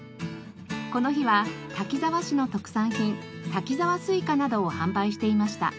この日は滝沢市の特産品滝沢スイカなどを販売していました。